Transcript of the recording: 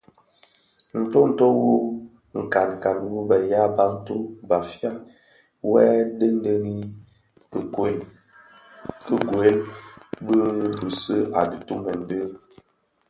Ntôôtô wu nkankan wu bë ya Bantu (Bafia) wuè dhëňdhëni kigwèl bi bisi a ditumen di.